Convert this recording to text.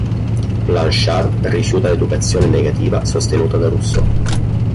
Blanchard rifiuta l'educazione negativa sostenuta da Rousseau.